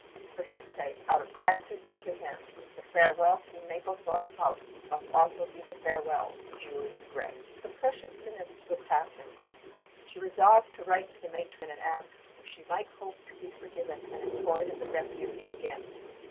For his sake, out of gratitude to him, the farewell to Mablethorpe House must be also the farewell to Julian Gray. The precious minutes were passing. She resolved to write to the matron and ask if she might hope to be forgiven and employed at the Refuge again.